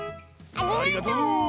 ありがとう！